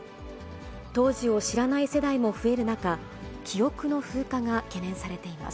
当時を知らない世代も増える中、記憶の風化が懸念されています。